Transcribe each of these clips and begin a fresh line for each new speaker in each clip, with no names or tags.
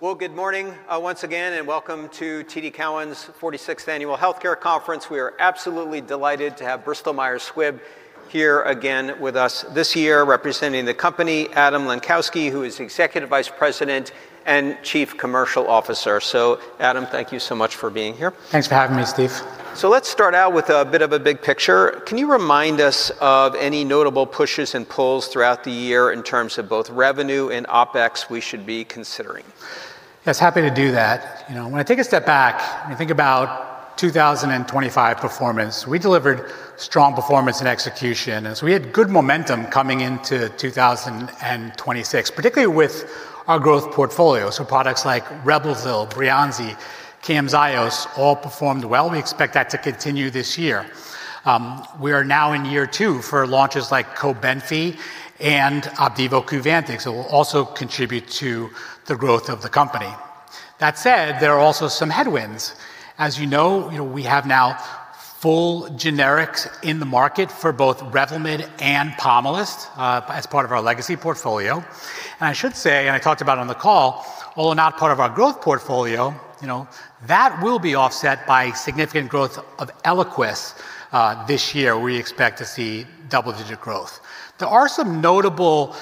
Well, good morning, once again, and welcome to TD Cowen's 46th Annual Healthcare Conference. We are absolutely delighted to have Bristol Myers Squibb here again with us this year, representing the company, Adam Lenkowsky, who is Executive Vice President and Chief Commercial Officer. Adam, thank you so much for being here.
Thanks for having me, Steve.
Let's start out with a bit of a big picture. Can you remind us of any notable pushes and pulls throughout the year in terms of both revenue and OpEx we should be considering?
Yes, happy to do that. You know, when I take a step back and think about 2025 performance, we delivered strong performance and execution as we had good momentum coming into 2026, particularly with our growth portfolio. Products like REVLIMID, Breyanzi, CAMZYOS all performed well. We expect that to continue this year. We are now in year two for launches like COBENFY and Opdivo Qvantig that will also contribute to the growth of the company. That said, there are also some headwinds. As you know, you know, we have now full generics in the market for both REVLIMID and POMALYST as part of our legacy portfolio. I should say, and I talked about on the call, although not part of our growth portfolio, you know, that will be offset by significant growth of ELIQUIS this year. We expect to see double-digit growth. There are some notable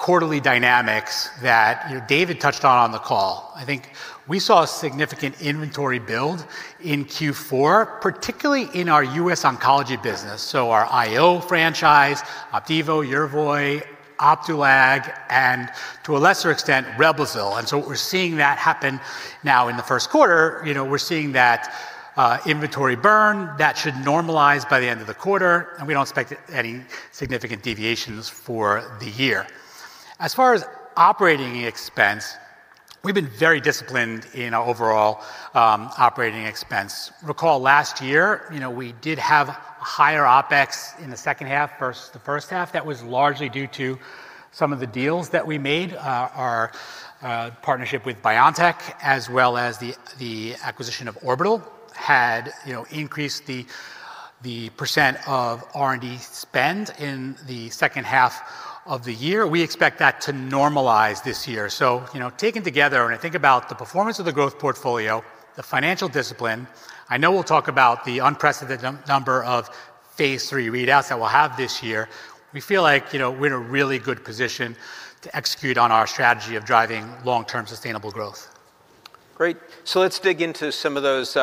quarterly dynamics that, you know, David touched on on the call. I think we saw a significant inventory build in Q4, particularly in our U.S. oncology business, so our IO franchise, Opdivo, Yervoy, Opdualag, and to a lesser extent, REVLIMID. We're seeing that happen now in the first quarter. You know, we're seeing that inventory burn that should normalize by the end of the quarter, and we don't expect any significant deviations for the year. As far as operating expense, we've been very disciplined in our overall operating expense. Recall last year, you know, we did have higher OpEx in the second half versus the first half. That was largely due to some of the deals that we made. Our partnership with BioNTech, as well as the acquisition of Orbital had, you know, increased the percent of R&D spend in the second half of the year. We expect that to normalize this year. You know, taken together, when I think about the performance of the growth portfolio, the financial discipline, I know we'll talk about the unprecedented number of phase III readouts that we'll have this year. We feel like, you know, we're in a really good position to execute on our strategy of driving long-term sustainable growth.
Great. Let's dig into some of those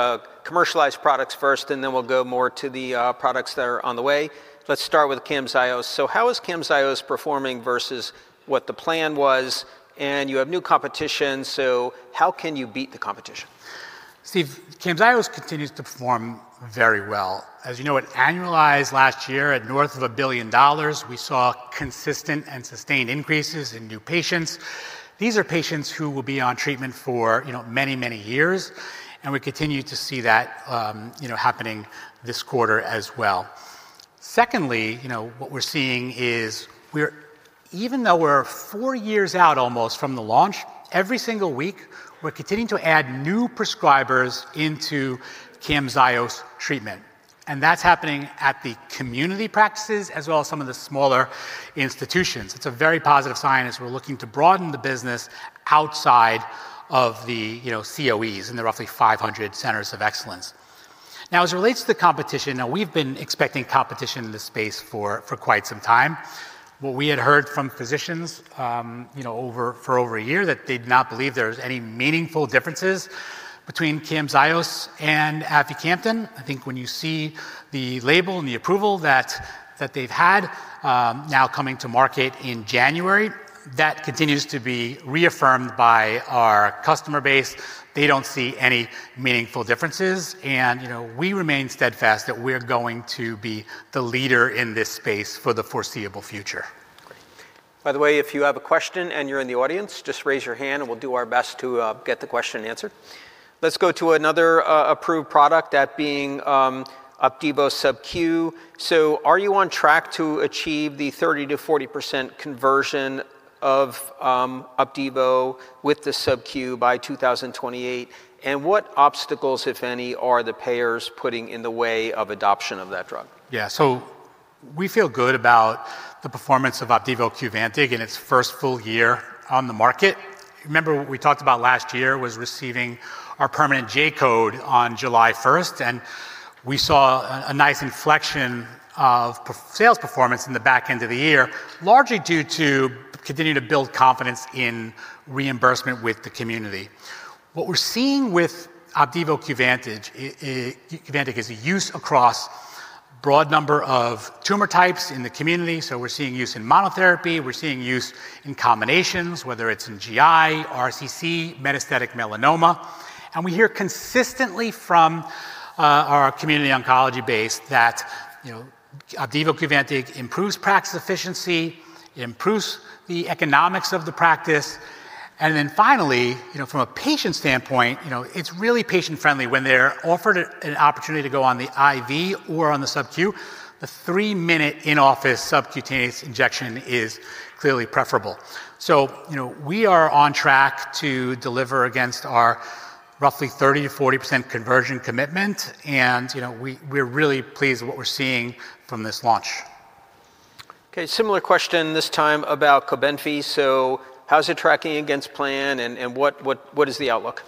commercialized products first, and then we'll go more to the products that are on the way. Let's start with CAMZYOS. How is CAMZYOS performing versus what the plan was? You have new competition, how can you beat the competition?
Steve, CAMZYOS continues to perform very well. As you know, it annualized last year at north of $1 billion. We saw consistent and sustained increases in new patients. These are patients who will be on treatment for, you know, many, many years, and we continue to see that, you know, happening this quarter as well. Secondly, you know, what we're seeing is even though we're four years out almost from the launch, every single week, we're continuing to add new prescribers into CAMZYOS treatment, and that's happening at the community practices as well as some of the smaller institutions. It's a very positive sign as we're looking to broaden the business outside of the, you know, COEs and the roughly 500 Centers of Excellence. As it relates to the competition, we've been expecting competition in this space for quite some time. What we had heard from physicians, you know, for over a year that they did not believe there was any meaningful differences between CAMZYOS and aficamten. I think when you see the label and the approval that they've had, now coming to market in January, that continues to be reaffirmed by our customer base. They don't see any meaningful differences. You know, we remain steadfast that we're going to be the leader in this space for the foreseeable future.
Great. By the way, if you have a question and you're in the audience, just raise your hand and we'll do our best to get the question answered. Let's go to another approved product, that being, Opdivo SubQ. Are you on track to achieve the 30%-40% conversion of Opdivo with the SubQ by 2028? What obstacles, if any, are the payers putting in the way of adoption of that drug?
Yeah. We feel good about the performance of Opdivo Qvantig in its first full year on the market. Remember what we talked about last year was receiving our permanent J-code on July first, we saw a nice inflection of per-sales performance in the back end of the year, largely due to continuing to build confidence in reimbursement with the community. What we're seeing with Opdivo Qvantig is the use across broad number of tumor types in the community. We're seeing use in monotherapy. We're seeing use in combinations, whether it's in GI, RCC, metastatic melanoma. We hear consistently from our community oncology base that, you know, Opdivo Qvantig improves practice efficiency, it improves the economics of the practice. Then finally, you know, from a patient standpoint, you know, it's really patient-friendly when they're offered an opportunity to go on the IV or on the SubQ, the 3-minute in-office subcutaneous injection is clearly preferable. You know, we are on track to deliver against our roughly 30%-40% conversion commitment. You know, we're really pleased with what we're seeing from this launch.
Okay, similar question this time about Cobenfy. How's it tracking against plan and what is the outlook?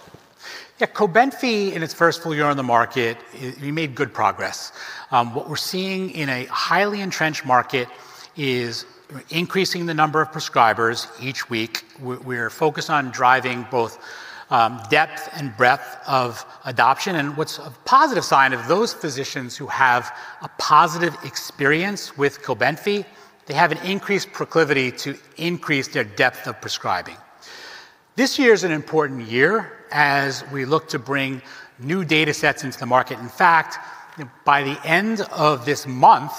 Yeah. Cobenfy in its first full year on the market, we made good progress. What we're seeing in a highly entrenched market is we're increasing the number of prescribers each week. We're focused on driving both depth and breadth of adoption. What's a positive sign of those physicians who have a positive experience with Cobenfy, they have an increased proclivity to increase their depth of prescribing. This year is an important year as we look to bring new datasets into the market. In fact, by the end of this month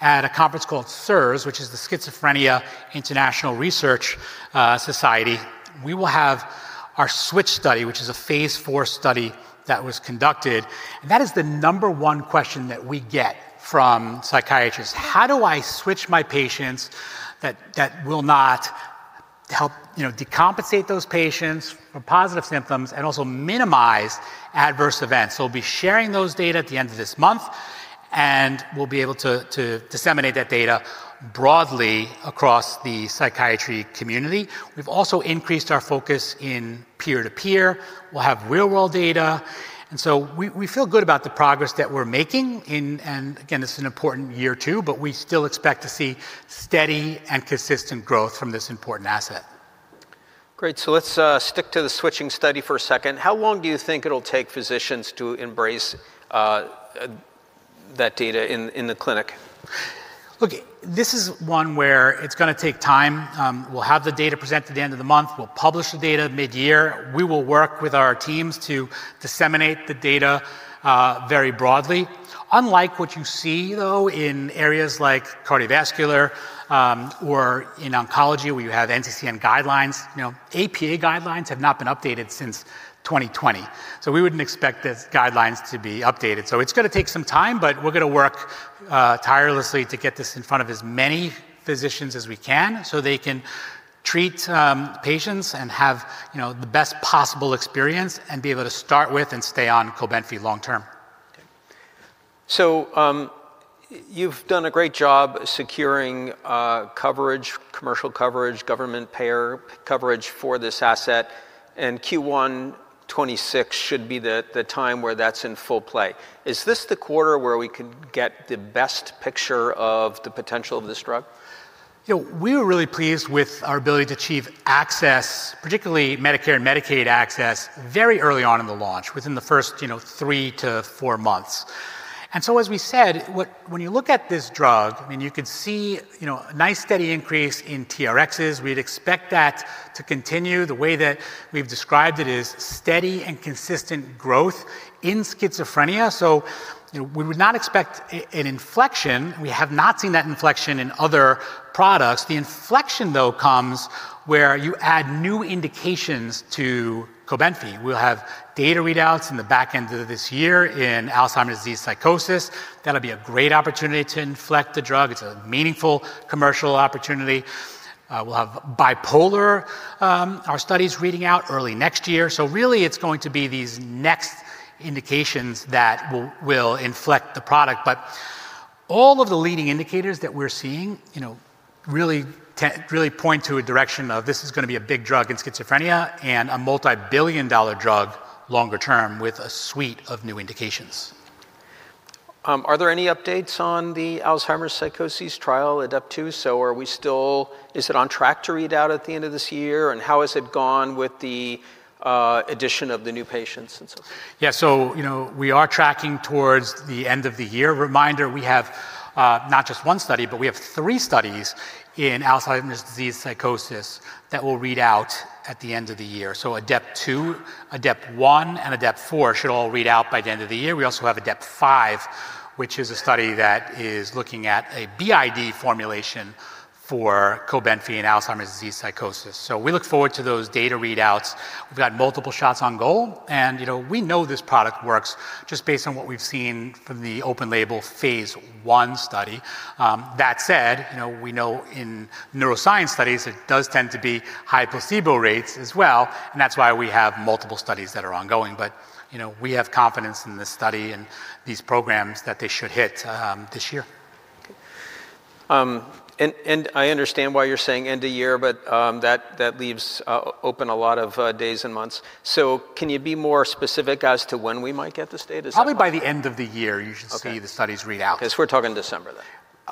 at a conference called SIRS, which is the Schizophrenia International Research Society, we will have our switch study, which is a phase IV study that was conducted. That is the number one question that we get from psychiatrists: how do I switch my patients that will not help, you know, decompensate those patients from positive symptoms and also minimize adverse events? We'll be sharing those data at the end of this month, and we'll be able to disseminate that data broadly across the psychiatry community. We've also increased our focus in peer-to-peer. We'll have real-world data we feel good about the progress that we're making. Again, this is an important year too, we still expect to see steady and consistent growth from this important asset.
Great. Let's stick to the switching study for a second. How long do you think it'll take physicians to embrace that data in the clinic?
This is one where it's gonna take time. We'll have the data presented at the end of the month. We'll publish the data mid-year. We will work with our teams to disseminate the data very broadly. Unlike what you see, though, in areas like cardiovascular, or in oncology where you have NCCN guidelines, you know, APA guidelines have not been updated since 2020. We wouldn't expect these guidelines to be updated. It's gonna take some time, but we're gonna work tirelessly to get this in front of as many physicians as we can so they can treat patients and have, you know, the best possible experience and be able to start with and stay on Cobenfy long term.
You've done a great job securing coverage, commercial coverage, government payer coverage for this asset, and Q1 2026 should be the time where that's in full play. Is this the quarter where we can get the best picture of the potential of this drug?
You know, we were really pleased with our ability to achieve access, particularly Medicare and Medicaid access, very early on in the launch, within the first, you know, three to four months. As we said, when you look at this drug, I mean, you could see, you know, a nice steady increase in TRXs. We'd expect that to continue. The way that we've described it is steady and consistent growth in schizophrenia. You know, we would not expect an inflection. We have not seen that inflection in other products. The inflection, though, comes where you add new indications to Cobenfy. We'll have data readouts in the back end of this year in Alzheimer's disease psychosis. That'll be a great opportunity to inflect the drug. It's a meaningful commercial opportunity. We'll have bipolar, our studies reading out early next year. Really it's going to be these next indications that will inflect the product. All of the leading indicators that we're seeing, you know, really point to a direction of this is gonna be a big drug in schizophrenia and a multi-billion dollar drug longer term with a suite of new indications.
Are there any updates on the Alzheimer's disease psychosis trial, ADEPT-2? Is it on track to read out at the end of this year, and how has it gone with the addition of the new patients and so forth?
Yeah. you know, we are tracking towards the end of the year. Reminder, we have, not just one study, but we have three studies in Alzheimer's disease psychosis that will read out at the end of the year. ADEPT 2, ADEPT 1, and ADEPT 4 should all read out by the end of the year. We also have ADEPT 5, which is a study that is looking at a BID formulation for Cobenfy in Alzheimer's disease psychosis. We look forward to those data readouts. We've got multiple shots on goal, and, you know, we know this product works just based on what we've seen from the open label phase I study. That said, you know, we know in neuroscience studies it does tend to be high placebo rates as well, and that's why we have multiple studies that are ongoing. You know, we have confidence in this study and these programs that they should hit, this year.
Okay. I understand why you're saying end of year, that leaves open a lot of days and months. Can you be more specific as to when we might get this data?
Probably by the end of the year.
Okay.
See the studies read out.
Okay. We're talking December then.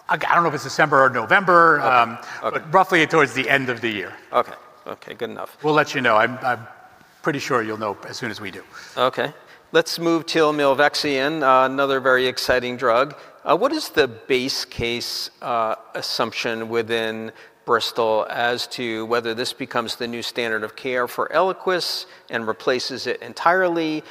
I don't know if it's December or November.
Okay. Okay.
Roughly towards the end of the year.
Okay. Okay. Good enough.
We'll let you know. I'm pretty sure you'll know as soon as we do.
Let's move to Milvexian, another very exciting drug. What is the base case assumption within Bristol as to whether this becomes the new standard of care for ELIQUIS and replaces it entirely?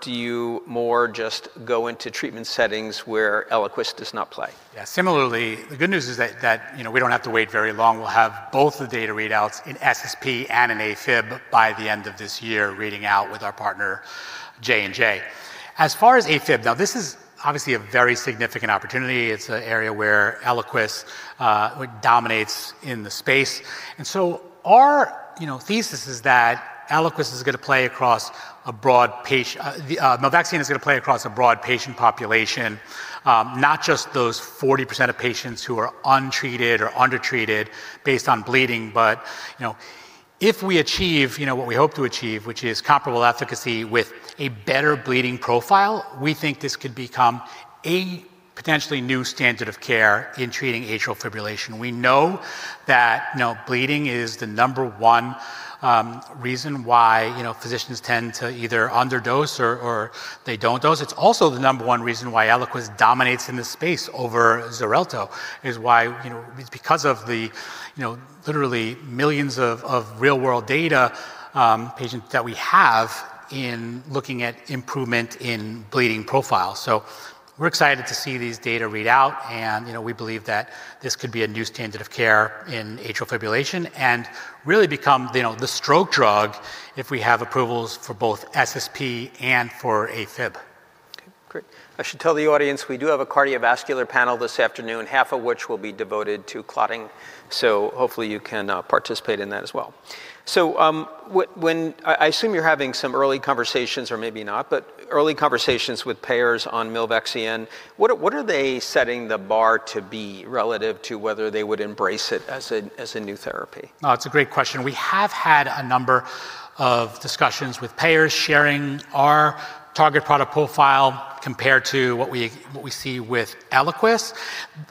Do you more just go into treatment settings where ELIQUIS does not play?
Yeah. Similarly, the good news is that, you know, we don't have to wait very long. We'll have both the data readouts in SSP and in AFib by the end of this year reading out with our partner J&J. As far as AFib, now this is obviously a very significant opportunity. It's an area where ELIQUIS dominates in the space. Our, you know, thesis is that ELIQUIS is gonna play across a broad the vaccine is gonna play across a broad patient population, not just those 40% of patients who are untreated or undertreated based on bleeding. You know, if we achieve, you know, what we hope to achieve, which is comparable efficacy with a better bleeding profile, we think this could become a potentially new standard of care in treating atrial fibrillation. We know that, you know, bleeding is the number one reason why, you know, physicians tend to either underdose or they don't dose. It's also the number one reason why Eliquis dominates in this space over Xarelto, is why, you know, it's because of the, you know, literally millions of real-world data patients that we have in looking at improvement in bleeding profile. We're excited to see these data read out and, you know, we believe that this could be a new standard of care in atrial fibrillation and really become, you know, the stroke drug if we have approvals for both SSP and for AFib.
Okay, great. I should tell the audience, we do have a cardiovascular panel this afternoon, half of which will be devoted to clotting, so hopefully you can participate in that as well. I assume you're having some early conversations, or maybe not, but early conversations with payers on Milvexian. What are they setting the bar to be relative to whether they would embrace it as a new therapy?
Oh, it's a great question. We have had a number of discussions with payers sharing our target product profile compared to what we see with Eliquis.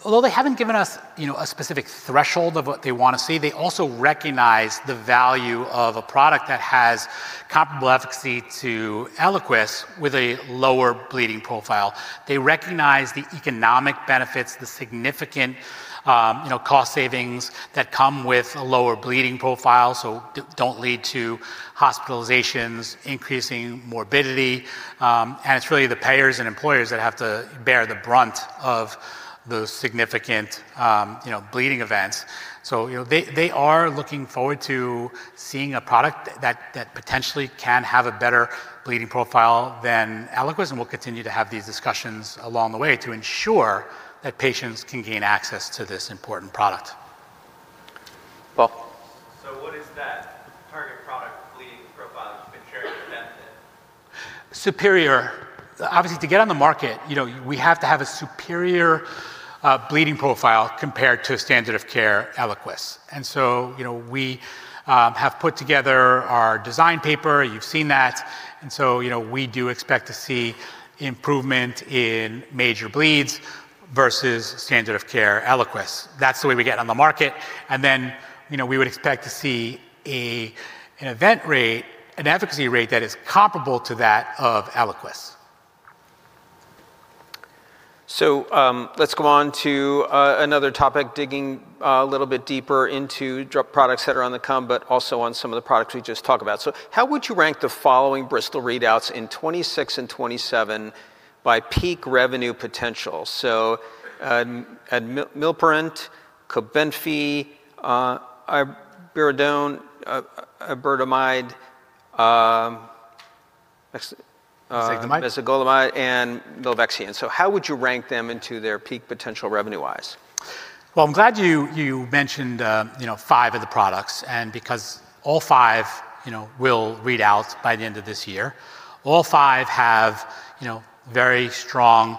Although they haven't given us, you know, a specific threshold of what they wanna see, they also recognize the value of a product that has comparable efficacy to Eliquis with a lower bleeding profile. They recognize the economic benefits, the significant, you know, cost savings that come with a lower bleeding profile, so don't lead to hospitalizations, increasing morbidity, and it's really the payers and employers that have to bear the brunt of those significant, you know, bleeding events. you know, they are looking forward to seeing a product that potentially can have a better bleeding profile than ELIQUIS, and we'll continue to have these discussions along the way to ensure that patients can gain access to this important product.
Well-
What is that target product bleeding profile compared to that then? Superior. Obviously, to get on the market, you know, we have to have a superior bleeding profile compared to a standard of care ELIQUIS. You know, we have put together our design paper, you've seen that, and so, you know, we do expect to see improvement in major bleeds versus standard of care ELIQUIS. That's the way we get on the market, and then, you know, we would expect to see a, an event rate, an efficacy rate that is comparable to that of ELIQUIS.
Let's go on to another topic, digging a little bit deeper into drug products that are on the come, but also on some of the products we just talked about. How would you rank the following Bristol readouts in 2026 and 2027 by peak revenue potential? Admilprant, Cobenfy, Iberidone, iberdomide.
Zongolimab.
Zongolimab, and Milvexin. How would you rank them into their peak potential revenue-wise?
Well, I'm glad you mentioned, you know, five of the products, and because all five, you know, will read out by the end of this year. All five have, you know, very strong,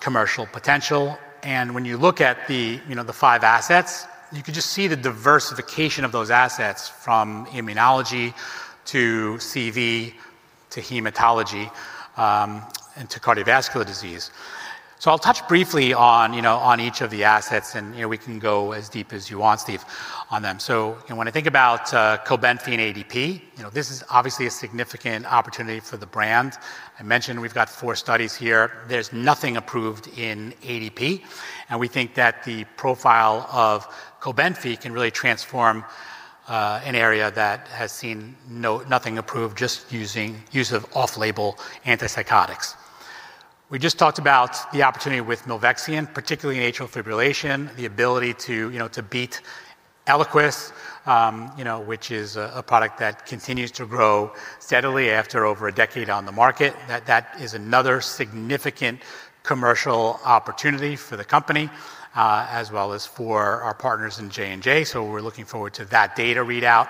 commercial potential. When you look at the, you know, the five assets, you can just see the diversification of those assets from immunology to CV to hematology, and to cardiovascular disease. I'll touch briefly on, you know, on each of the assets, and, you know, we can go as deep as you want, Steve, on them. You know, when I think about, Opdivo Qvantig and ADP, you know, this is obviously a significant opportunity for the brand. I mentioned we've got four studies here. There's nothing approved in ADP. We think that the profile of Cobenfy can really transform an area that has seen nothing approved, just use of off-label antipsychotics. We just talked about the opportunity with milvexian, particularly in atrial fibrillation, the ability to, you know, to beat ELIQUIS, you know, which is a product that continues to grow steadily after over a decade on the market. That is another significant commercial opportunity for the company, as well as for our partners in J&J. We're looking forward to that data readout.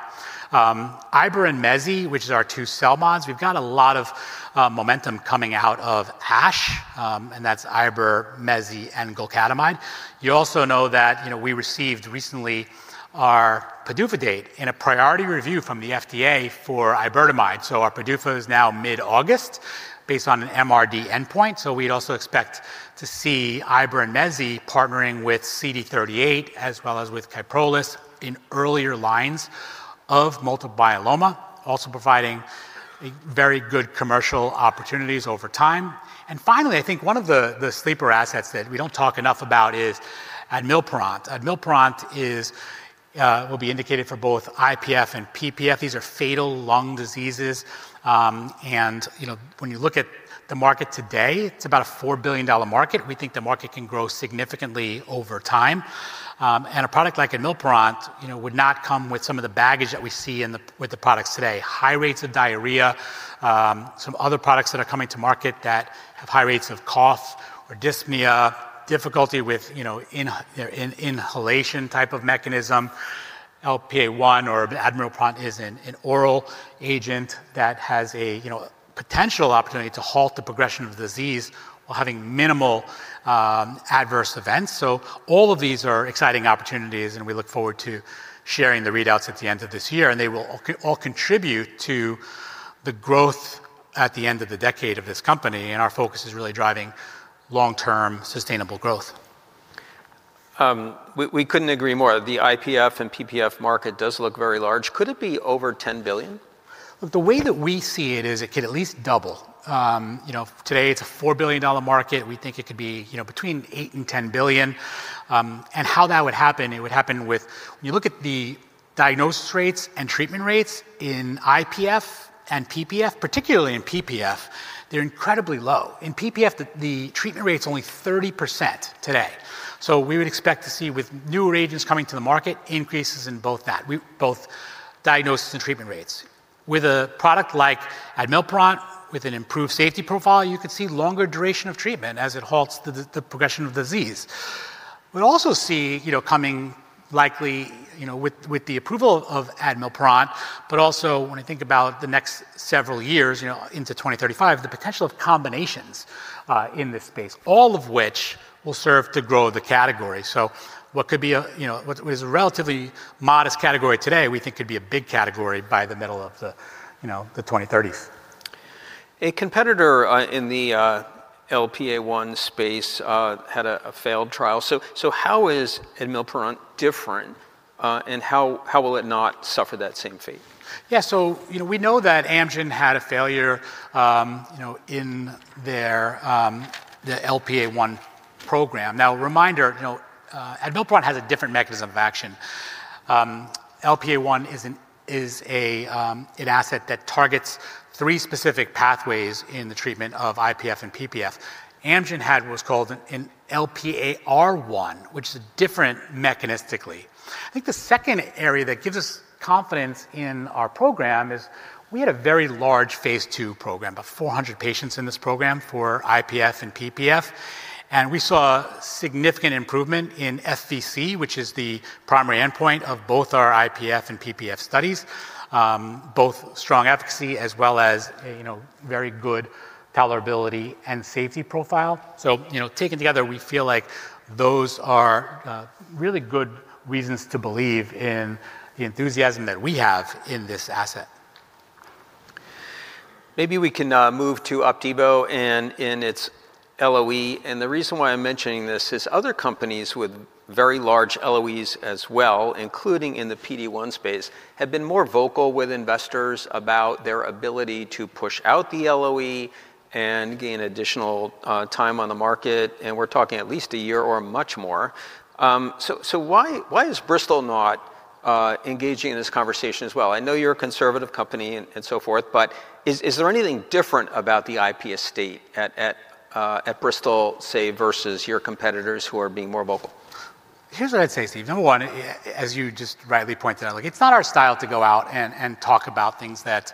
Iber and Mezi, which is our two cell mods, we've got a lot of momentum coming out of ASH, and that's Iber, Mezi, and golcadomide. You also know that, you know, we received recently our PDUFA date in a priority review from the FDA for iberdomide. Our PDUFA is now mid-August based on an MRD endpoint, so we'd also expect to see Iber and Mezi partnering with CD38 as well as with Kyprolis in earlier lines of multiple myeloma, also providing a very good commercial opportunities over time. Finally, I think one of the sleeper assets that we don't talk enough about is Admilprant. Admilprant is will be indicated for both IPF and PPF. These are fatal lung diseases, and, you know, when you look at the market today, it's about a $4 billion market. We think the market can grow significantly over time. A product like Admilprant, you know, would not come with some of the baggage that we see with the products today. High rates of diarrhea, some other products that are coming to market that have high rates of cough or dyspnea, difficulty with, you know, inhalation type of mechanism. LPA1 or Admilprant is an oral agent that has a, you know, potential opportunity to halt the progression of the disease while having minimal adverse events. All of these are exciting opportunities, and we look forward to sharing the readouts at the end of this year, and they will all contribute to the growth at the end of the decade of this company. Our focus is really driving long-term sustainable growth.
We couldn't agree more. The IPF and PPF market does look very large. Could it be over $10 billion?
The way that we see it is it could at least double. you know, today it's a $4 billion market. We think it could be, you know, between $8 billion and $10 billion. How that would happen, when you look at the diagnosis rates and treatment rates in IPF and PPF, particularly in PPF, they're incredibly low. In PPF, the treatment rate's only 30% today. We would expect to see with newer agents coming to the market, increases in both that, both diagnosis and treatment rates. With a product like admilprant, with an improved safety profile, you could see longer duration of treatment as it halts the progression of disease. We'll also see, you know, coming likely, you know, with the approval of Admilprant, but also when I think about the next several years, you know, into 2035, the potential of combinations in this space, all of which will serve to grow the category. What could be a, you know, what is a relatively modest category today, we think could be a big category by the middle of the, you know, the 2030s.
A competitor, in the LPA1 space, had a failed trial. How is Admilprant different, and how will it not suffer that same fate?
Yeah. You know, we know that Amgen had a failure, you know, in their LPA1 program. Now, reminder, you know, Admilprant has a different mechanism of action. LPA1 is an asset that targets three specific pathways in the treatment of IPF and PPF. Amgen had what was called an LPAR1, which is different mechanistically. I think the second area that gives us confidence in our program is we had a very large phase II program, about 400 patients in this program for IPF and PPF. We saw significant improvement in FVC, which is the primary endpoint of both our IPF and PPF studies, both strong efficacy as well as a, you know, very good tolerability and safety profile. You know, taken together, we feel like those are really good reasons to believe in the enthusiasm that we have in this asset.
Maybe we can move to Opdivo and in its LOE. The reason why I'm mentioning this is other companies with very large LOEs as well, including in the PD-1 space, have been more vocal with investors about their ability to push out the LOE and gain additional time on the market, and we're talking at least 1 year or much more. Why is Bristol not engaging in this conversation as well? I know you're a conservative company and so forth, but is there anything different about the IP estate at Bristol, say, versus your competitors who are being more vocal?
Here's what I'd say, Steve. Number one, as you just rightly pointed out, like, it's not our style to go out and talk about things that,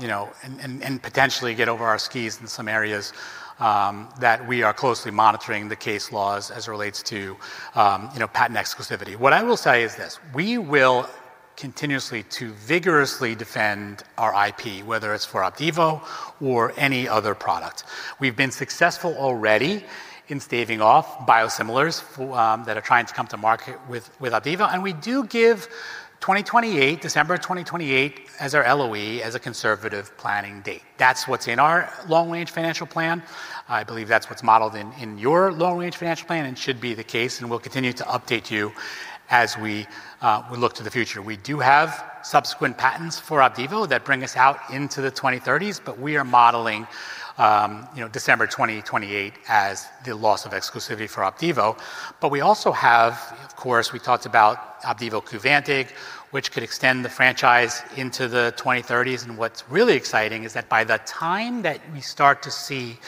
you know, and potentially get over our skis in some areas, that we are closely monitoring the case laws as it relates to, you know, patent exclusivity. What I will say is this: we will continuously to vigorously defend our IP, whether it's for Opdivo or any other product. We've been successful already in staving off biosimilars that are trying to come to market with Opdivo, we do give 2028, December 2028 as our LOE as a conservative planning date. That's what's in our long-range financial plan. I believe that's what's modeled in your long-range financial plan and should be the case, and we'll continue to update you as we look to the future. We do have subsequent patents for Opdivo that bring us out into the 2030s, but we are modeling, you know, December 2028 as the loss of exclusivity for Opdivo. We also have, of course, we talked about Opdivo Qvantig, which could extend the franchise into the 2030s, and what's really exciting is that by the time that we start to see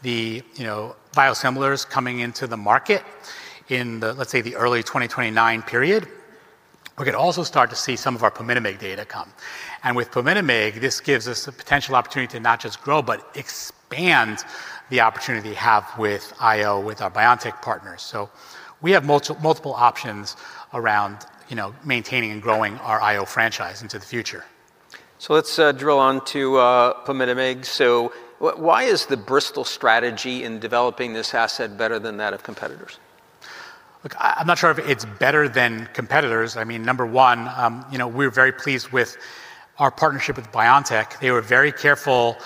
the, you know, biosimilars coming into the market in the, let's say, the early 2029 period, we could also start to see some of our pemetrexed data come. With pemetrexed, this gives us a potential opportunity to not just grow, but expand the opportunity we have with IO, with our BioNTech partners. We have multiple options around, you know, maintaining and growing our IO franchise into the future.
Let's drill on to pemetrexed. Why is the Bristol strategy in developing this asset better than that of competitors?
Look, I'm not sure if it's better than competitors. I mean, number 1, you know, we're very pleased with our partnership with BioNTech. They were very careful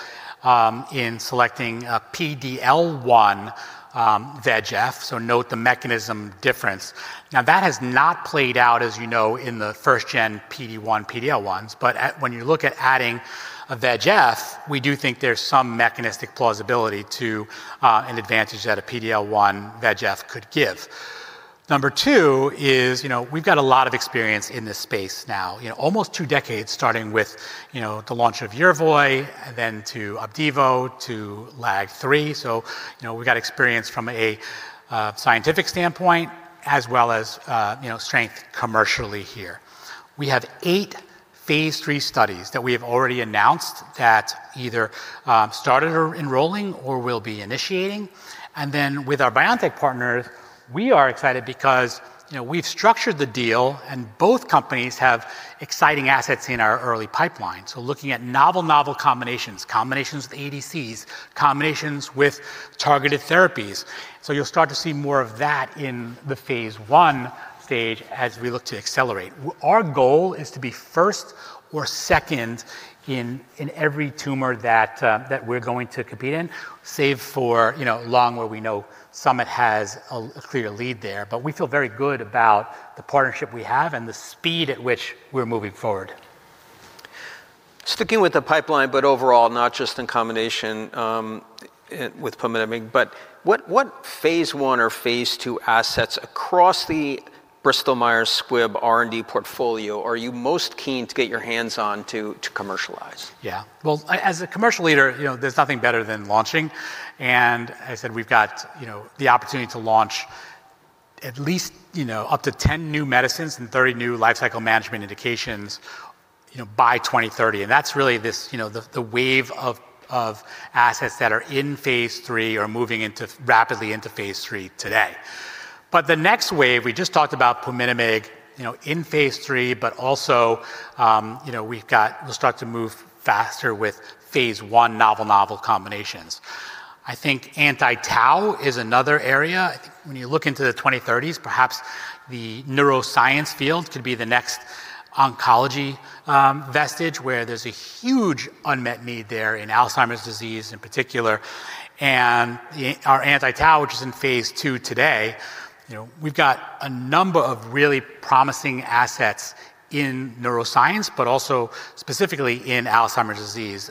in selecting a PD-L1 VEGF, note the mechanism difference. That has not played out, as you know, in the first-gen PD-1, PD-L1s, when you look at adding a VEGF, we do think there's some mechanistic plausibility to an advantage that a PD-L1 VEGF could give. Number 2 is, you know, we've got a lot of experience in this space now, you know, almost two decades starting with, you know, the launch of YERVOY, then to Opdivo, to LAG-3. You know, we've got experience from a scientific standpoint as well as, you know, strength commercially here. We have eight phase III studies that we have already announced that either started or enrolling or will be initiating. Then with our BioNTech partner, we are excited because, you know, we've structured the deal and both companies have exciting assets in our early pipeline. Looking at novel combinations with ADCs, combinations with targeted therapies. You'll start to see more of that in the phase I stage as we look to accelerate. Our goal is to be first or second in every tumor that we're going to compete in, save for, you know, lung, where we know Summit has a clear lead there. We feel very good about the partnership we have and the speed at which we're moving forward.
Sticking with the pipeline, but overall, not just in combination, with ipilimumab, but what phase I or phase II assets across the Bristol Myers Squibb R&D portfolio are you most keen to get your hands on to commercialize?
Well, as a commercial leader, you know, there's nothing better than launching. As I said, we've got, you know, the opportunity to launch at least, you know, up to 10 new medicines and 30 new lifecycle management indications, you know, by 2030. That's really this, you know, the wave of assets that are in phase III or moving into rapidly into phase III today. The next wave we just talked about pumilimab, you know, in phase III, but also, you know, we'll start to move faster with phase I novel combinations. I think anti-tau is another area. I think when you look into the 2030s, perhaps the neuroscience field could be the next oncology vestige where there's a huge unmet need there in Alzheimer's disease in particular. our anti-tau, which is in phase II today, you know, we've got a number of really promising assets in neuroscience, but also specifically in Alzheimer's disease,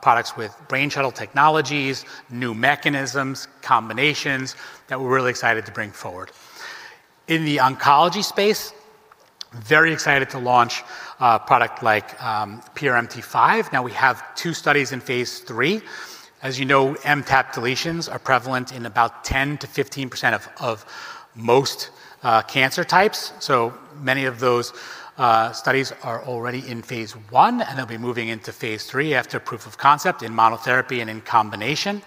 products with brain shuttle technologies, new mechanisms, combinations that we're really excited to bring forward. In the oncology space, very excited to launch a product like PRMT5. Now we have two studies in phase III. As you know, MTAP deletions are prevalent in about 10%-15% of most cancer types. Many of those studies are already in phase I, and they'll be moving into phase III after proof of concept in monotherapy and in combination.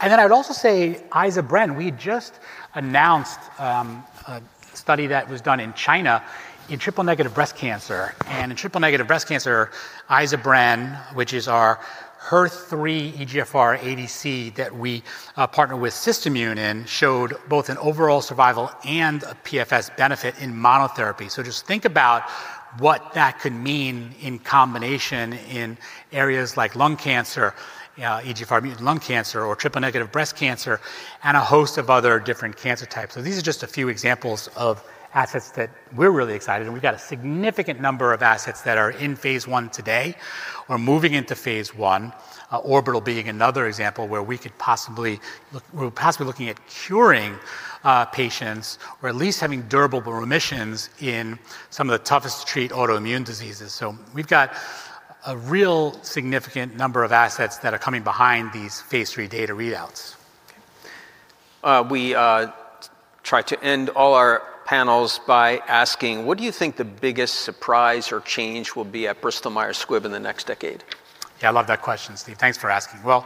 I would also say Orbusil. We just announced a study that was done in China in triple-negative breast cancer. In triple-negative breast cancer, izalontamab brengitecan, which is our HER3-EGFR ADC that we partner with SystImmune in, showed both an overall survival and a PFS benefit in monotherapy. Just think about what that could mean in combination in areas like lung cancer, EGFR-mutant lung cancer or triple-negative breast cancer and a host of other different cancer types. These are just a few examples of assets that we're really excited, and we've got a significant number of assets that are in phase I today or moving into phase I. Orbital being another example where we're possibly looking at curing patients or at least having durable remissions in some of the toughest to treat autoimmune diseases. We've got a real significant number of assets that are coming behind these phase III data readouts.
We try to end all our panels by asking, what do you think the biggest surprise or change will be at Bristol Myers Squibb in the next decade?
Yeah, I love that question, Steve. Thanks for asking. Well,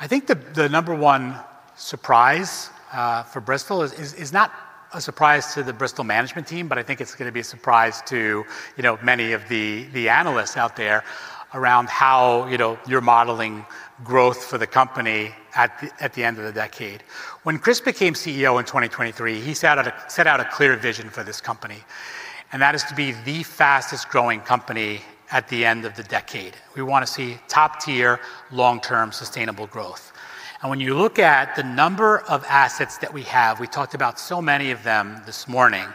I think the number one surprise for Bristol is not a surprise to the Bristol management team, but I think it's gonna be a surprise to, you know, many of the analysts out there around how, you know, you're modeling growth for the company at the end of the decade. When Chris became CEO in 2023, he set out a clear vision for this company, and that is to be the fastest-growing company at the end of the decade. We wanna see top-tier, long-term sustainable growth. When you look at the number of assets that we have, we talked about so many of them this morning,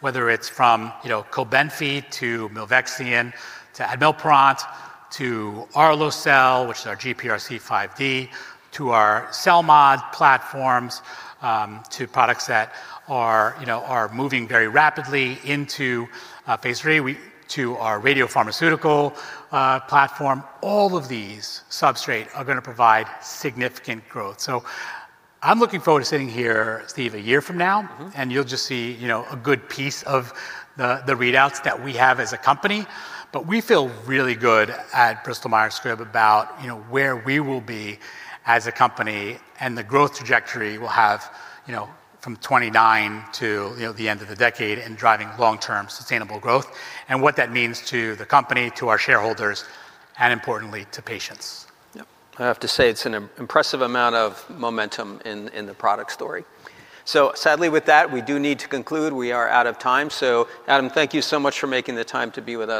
whether it's from, you know, Cobenfy to Milvexian, to Admilprant, to Arloscel, which is our GPRC5D, to our cell mod platforms, to products that are, you know, are moving very rapidly into phase III. to our radiopharmaceutical platform. All of these substrate are gonna provide significant growth. I'm looking forward to sitting here, Steve, one year from now.
Mm-hmm.
You'll just see, you know, a good piece of the readouts that we have as a company. We feel really good at Bristol Myers Squibb about, you know, where we will be as a company and the growth trajectory we'll have, you know, from 2029 to, you know, the end of the decade and driving long-term sustainable growth and what that means to the company, to our shareholders, and importantly to patients.
Yep. I have to say it's an impressive amount of momentum in the product story. Sadly with that, we do need to conclude. We are out of time. Adam, thank you so much for making the time to be with us.